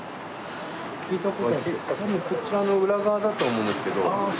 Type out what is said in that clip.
聞いた事多分こちらの裏側だと思うんですけど。